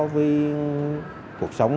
với cuộc sống